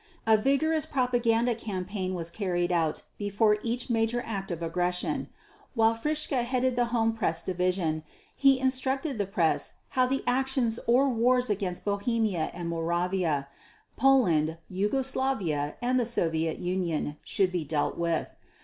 A vigorous propaganda campaign was carried out before each major act of aggression. While Fritzsche headed the Home Press Division, he instructed the press how the actions or wars against Bohemia and Moravia, Poland, Yugoslavia, and the Soviet Union should be dealt with.